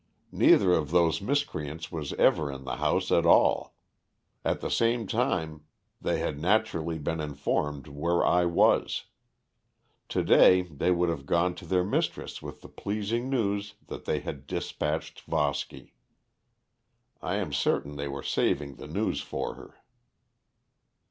Neither of those miscreants was ever in the house at all. At the same time they had naturally been informed where I was. To day they would have gone to their mistress with the pleasing news that they had despatched Voski. I am certain they were saving the news for her."